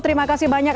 terima kasih banyak